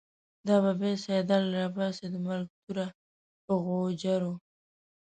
دا به بیا« سیدال» راباسی، د مرگ توره په غوجرو